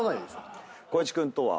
光一君とは。